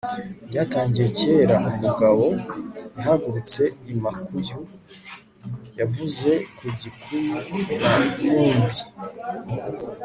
byatangiye kera. umugabo yahagurutse i makuyu. yavuze ko gikuyu na mumbi